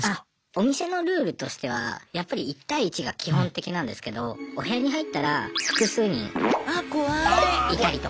お店のルールとしてはやっぱり１対１が基本的なんですけどお部屋に入ったら複数人いたりとか。